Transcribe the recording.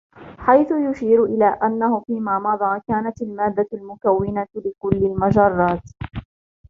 حيث يشير إلى أنه في ما مضى، كانت المادة المكونة لكل المجرات